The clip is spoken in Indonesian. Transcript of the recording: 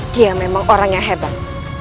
dia memang orang yang hebat